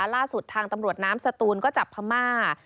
ล่าสุดทางตำรวจน้ำสตูนก็จับพม่า